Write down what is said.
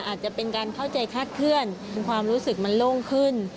อาจจะเป็นการเข้าใจคาดเคลื่อนความรู้สึกมันโล่งขึ้น